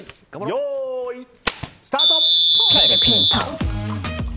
よーい、スタート！